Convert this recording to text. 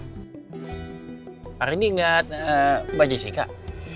hari ini gak banyak sih kak